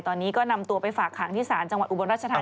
ตอนนี้ก็นำตัวไปฝากขังที่ศาลจังหวัดอุบลรัชธา